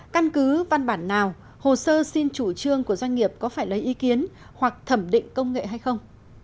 căn cứ văn bản nào hồ sơ xin chủ trương của doanh nghiệp có phải lấy ý kiến hoặc thẩm định công nghệ hay không